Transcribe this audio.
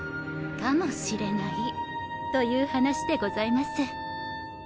かもしれないという話でございます。